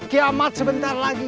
kiamat sebentar lagi